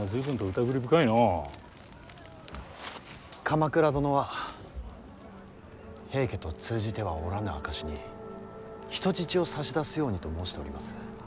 鎌倉殿は平家と通じてはおらぬ証しに人質を差し出すようにと申しております。